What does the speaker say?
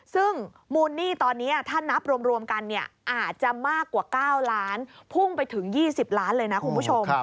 ซึ่งมูลหนี้ตอนนี้ถ้านับรวมกันอาจจะมากกว่า๙ล้านพุ่งไปถึง๒๐ล้านเลยนะคุณผู้ชม